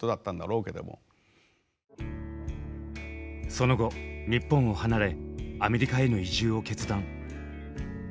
その後日本を離れアメリカへの移住を決断。